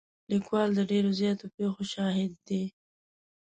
لیکوال د ډېرو زیاتو پېښو شاهد دی.